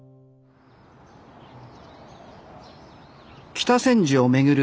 北千住を巡る